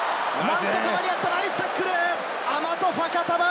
何とか間に合ったナイスタックル！